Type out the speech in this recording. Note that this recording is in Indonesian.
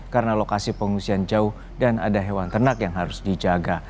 karena lokasi pengungsian jauh dan ada hewan ternak yang harus dijaga